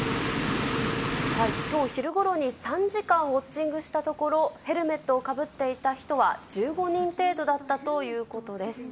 きょう昼ごろに３時間、ウォッチングしたところ、ヘルメットをかぶっていた人は、１５人程度だったということです。